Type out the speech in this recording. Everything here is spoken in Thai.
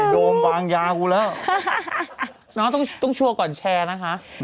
โดมวางยากูแล้วน้องต้องชัวร์ก่อนแชร์นะคะ